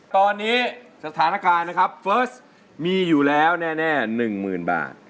ตอนนี้สถานการณ์นะครับเฟิร์สมีอยู่แล้วแน่๑๐๐๐บาท